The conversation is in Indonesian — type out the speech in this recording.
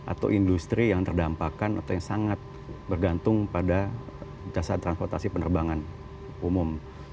atau industri yang terdampakkan atau yang sangat bergantung pada jasa transportasi penerbangan umum